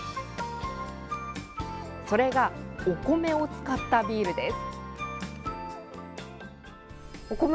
それが、お米を使ったビールです。